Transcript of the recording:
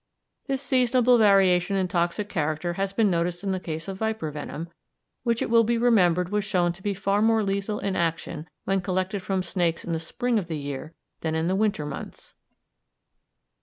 This seasonable variation in toxic character has been noticed in the case of viper venom, which it will be remembered was shown to be far more lethal in action when collected from snakes in the spring of the year than in the winter months.